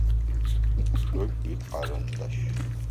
Шъо шъуикарандаш.